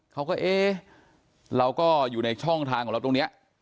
เขาก็เอ๊ะเราก็อยู่ในช่องทางของเราตรงนี้